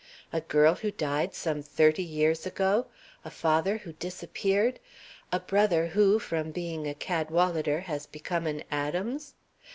A girl who died some thirty years ago! A father who disappeared! A brother who, from being a Cadwalader, has become an Adams!